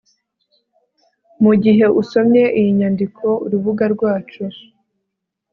mugihe usomye iyi nyandiko urubuga rwacu